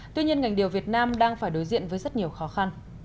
tuy nhiên ngành điều việt nam đang phải đối diện với rất nhiều khó khăn